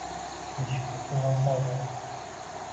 Eshikda o`rin qolmagan